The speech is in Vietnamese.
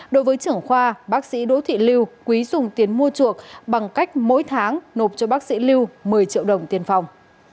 đối với trưởng khoa bác sĩ đỗ thị lưu quý dùng tiền mua chuộc bằng cách mỗi tháng nộp cho bác sĩ lưu một mươi triệu đồng tiền phòng